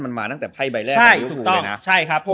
มันมาตั้งแต่ไพ่ใบแรกของลิเวอร์ฟู